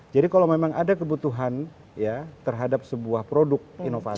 jadi kalau memang ada kebutuhan terhadap sebuah produk inovasi